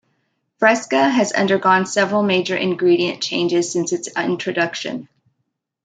Fresca has undergone several major ingredient changes since its introduction.